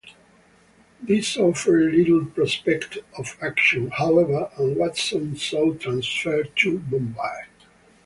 This offered little prospect of action, however, and Watson sought transfer to Bombay.